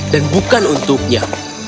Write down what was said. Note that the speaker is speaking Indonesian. dan bukan untuknya